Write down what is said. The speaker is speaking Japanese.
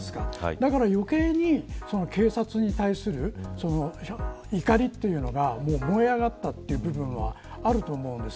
だから余計に警察に対する怒りというのが燃え上がったという部分はあると思います。